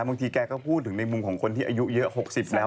บางทีแกก็พูดถึงในมุมของคนที่อายุเยอะ๖๐แล้ว